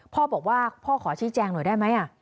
พ่อบอกว่าพ่อขอชี้แจงหน่อยได้ไหม